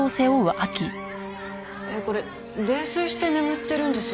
これ泥酔して眠ってるんですよね？